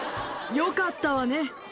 よかったわね。